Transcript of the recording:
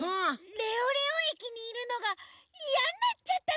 レオレオ駅にいるのがいやになっちゃったとか？